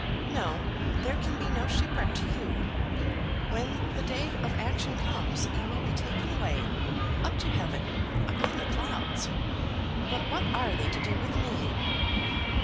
"No; there can be no shipwreck to you. When the day of action comes you will be taken away, up to heaven, upon the clouds. But what are they to do with me?"